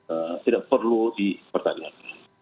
eee tidak perlu dipertahankan